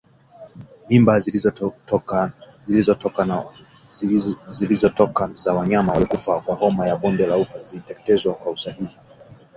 Mimba zilizotoka za wanyama waliokufa kwa homa ya bonde la ufa ziteketezwe kwa usahihi